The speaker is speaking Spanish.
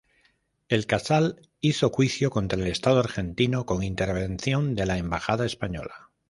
El "Casal" hizo juicio contra el Estado argentino, con intervención de la embajada española.